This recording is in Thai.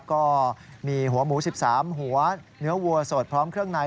ก็มีหัวหมู๑๓หัวเนื้อวัวสดพร้อมเครื่องใน